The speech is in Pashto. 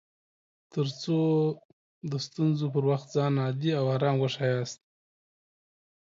تر څو د ستونزو پر وخت ځان عادي او ارام وښياست